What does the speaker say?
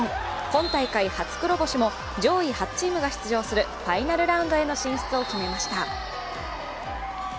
今大会、初黒星も上位８チームが出場するファイナルラウンドへの進出を決めました。